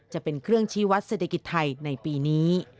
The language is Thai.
จะเป็นเครื่องชี้วัดเศรษฐกิจไทยในปีนี้